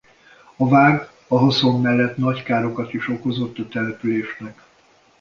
A Vág a haszon mellett nagy károkat is okozott a településnek.